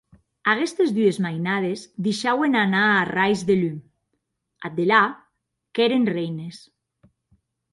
Aguestes dues mainades deishauen anar arrais de lum; ath delà, qu’èren reines.